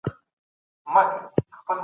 تر قیامته به روان وي « میرو» مل درته لیکمه